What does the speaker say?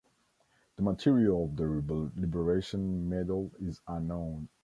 The material of the Liberation Medal is unknown.